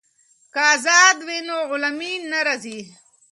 که ازادي وي نو غلامي نه راځي.